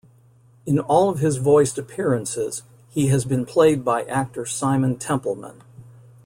In all of his voiced appearances, he has been played by actor Simon Templeman.